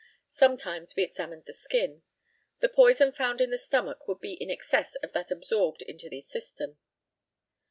Sometimes we examined the skin. The poison found in the stomach would be in excess of that absorbed into the system.